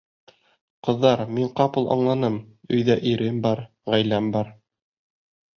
Ҡыҙҙар, мин ҡапыл аңланым: өйҙә ирем бар, ғаиләм бар.